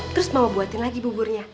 terus mau buatin lagi buburnya